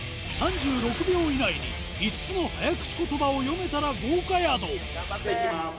３６秒以内に５つの早口言葉を読めたら豪華宿じゃあいきます。